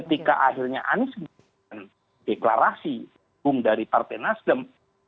maka akhirnya anies menerima deklarasi umum dari partai nasdem